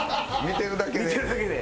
見てるだけで。